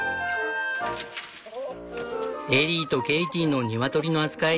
エリーとケイティのニワトリの扱い